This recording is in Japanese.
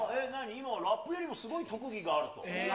今、ラップよりもすごい特技があると。